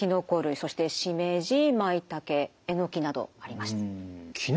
そしてしめじまいたけえのきなどあります。